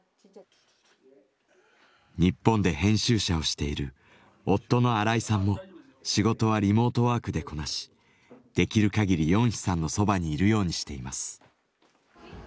日本で編集者をしている夫の荒井さんも仕事はリモートワークでこなしできるかぎりヨンヒさんのそばにいるようにしています。